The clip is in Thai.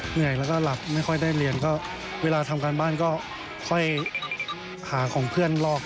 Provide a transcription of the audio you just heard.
เหนื่อยแล้วก็หลับไม่ค่อยได้เรียนก็เวลาทำการบ้านก็ค่อยหาของเพื่อนรอบ